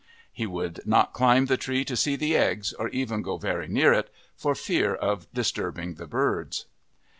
He would not climb the tree to see the eggs, or even go very near it, for fear of disturbing the birds.